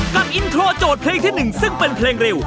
อินโทรโจทย์เพลงที่๑ซึ่งเป็นเพลงเร็ว